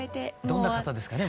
どんな方ですかね